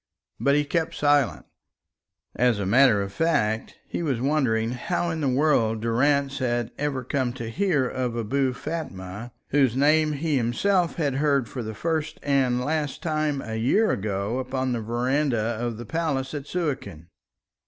But he kept silent. As a matter of fact, he was wondering how in the world Durrance had ever come to hear of Abou Fatma, whose name he himself had heard for the first and last time a year ago upon the verandah of the Palace at Suakin.